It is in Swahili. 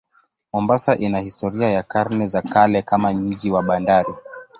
Mombasa ina historia ya karne za kale kama mji wa bandari.